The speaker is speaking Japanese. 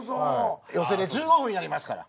寄席で１５分やりますから。